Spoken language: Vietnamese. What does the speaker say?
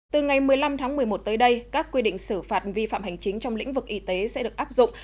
từ ngày một mươi năm tháng một mươi một tới đây các quy định xử phạt vi phạm hành chính trong lĩnh vực y tế sẽ được áp dụng